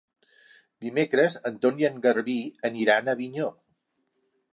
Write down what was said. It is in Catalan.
Dimecres en Ton i en Garbí aniran a Avinyó.